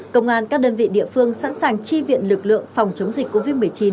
công an các đơn vị địa phương sẵn sàng chi viện lực lượng phòng chống dịch covid một mươi chín